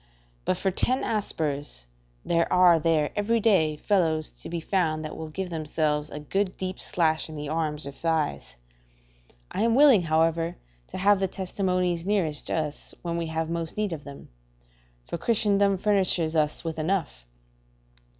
But for ten aspers [A Turkish coin worth about a penny] there are there every day fellows to be found that will give themselves a good deep slash in the arms or thighs. I am willing, however, to have the testimonies nearest to us when we have most need of them; for Christendom furnishes us with enough.